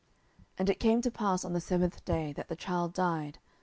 10:012:018 And it came to pass on the seventh day, that the child died.